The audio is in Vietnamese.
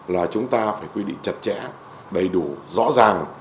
là chúng ta phải quy định chặt chẽ đầy đủ rõ ràng